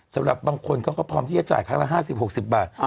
สำหรับบางคนเขาก็พร้อมที่จะจ่ายครั้งละ๕๐๖๐บาท